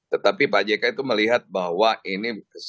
tetapi pak jk itu melihat bahwa ini